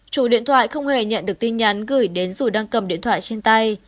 chủ điện thoại không hề nhận được tin nhắn gửi đến dù đang cầm điện thoại trên tay